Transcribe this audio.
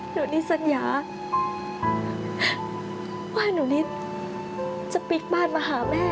หนูนี่สัญญาว่าหนูนิดจะปิ๊กบ้านมาหาแม่